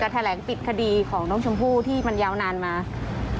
จะแถลงปิดคดีของน้องชมพู่ที่มันยาวนานมาหลายเดือน